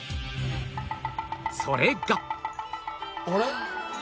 それがあれ？